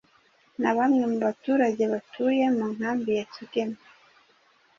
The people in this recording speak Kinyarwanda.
na bamwe mu baturage batuye mu nkambi ya Kigeme